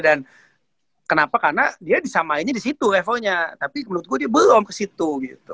dan kenapa karena dia disamainya disitu levelnya tapi menurut gue dia belum kesitu